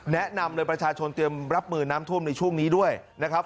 แนะนำเลยประชาชนเตรียมรับมือน้ำท่วมในช่วงนี้ด้วยนะครับ